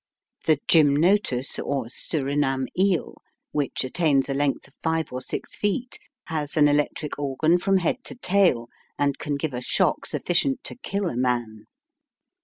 The gymotus, or Surinam eel, which attains a length of five or six feet, has an electric organ from head to tail, and can give a shock sufficient to kill a man.